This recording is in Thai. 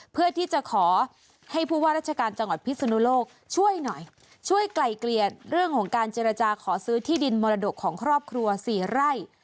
เพื่อที่จะขอให้ผู้ว่าราชการจังหวัดพิศนุโลกช่วยหน่อยช่วยไกลเกลียดเรื่องของการเจรจาขอซื้อที่ดินมรดกของครอบครัวสี่ไร่